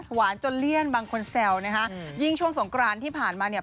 หวานจนเลี่ยนบางคนแซวนะคะยิ่งช่วงสงกรานที่ผ่านมาเนี่ย